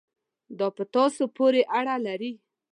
دا په تاسو پورې اړه لري.